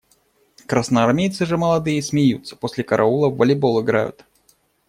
Красноармейцы же молодые – смеются, после караула в волейбол играют.